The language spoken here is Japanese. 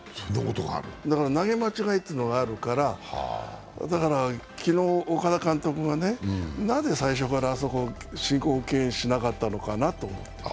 だから投げ間違いというのがあるから、昨日、岡田監督がなぜ最初からあそこ、申告敬遠しなかったのかなと思って。